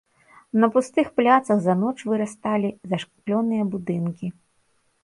На пустых пляцах за ноч вырасталі зашклёныя будынкі.